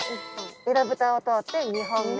えらぶたを通って２本目。